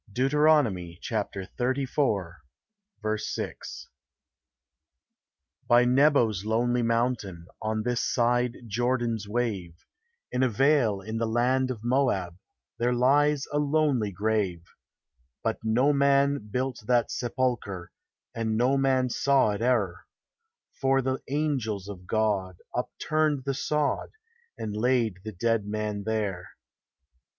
DEUTERONOMY xxxiv. 6. By Nebo's lonely mountain, On this side Jordan's wave, In a vale in the land of Moab, There lies a lonely grave; But no man built that sepulchre, And no man saw it e'er; For the angels of God upturned the sod, And laid the dead man there.